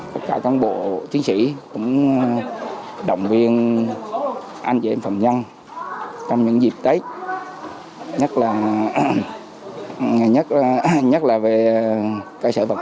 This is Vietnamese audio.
các cán bộ chiến sĩ cũng động viên anh chị em phạm nhân trong những dịp tết nhất là về cơ sở vật